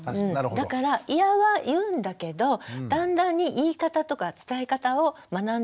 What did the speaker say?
だからイヤは言うんだけどだんだんに言い方とか伝え方を学んでいくところじゃないですか。